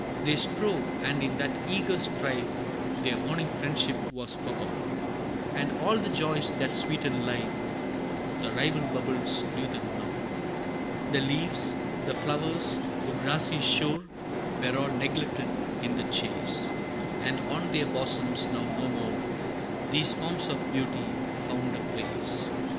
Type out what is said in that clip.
They strove, and in that eager strife Their morning friendship was forgot, And all the joys that sweeten life, The rival bubbles knew them not. The leaves, the flowers, the grassy shore, Were all neglected in the chase, And on their bosoms now no more These forms of beauty found a place.